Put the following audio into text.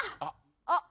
あっ！